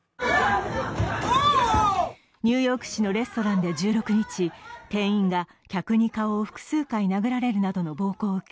ニューヨーク市のレストランで１６日、店員が客に顔を複数回殴られるなどの暴行を受け、